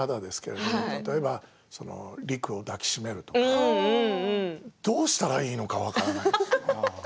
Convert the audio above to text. ですけど、例えばりくを抱き締めるとかどうしたらいいのか分からない。